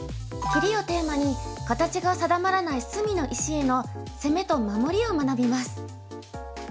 キリをテーマに形が定まらない隅の石への攻めと守りを学びます。